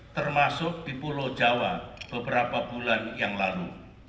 termasuk di pulau jawa beberapa bulan yang lalu